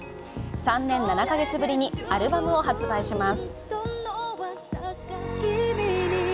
３年７カ月ぶりにアルバムを発売します。